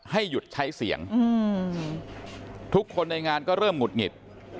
ให้หยุดใช้เสียงทุกคนในงานก็เริ่มหุดหงิด